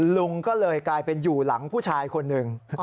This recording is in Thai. ลุงก็เลยกลายเป็นอยู่หลังผู้ชายคนหนึ่ง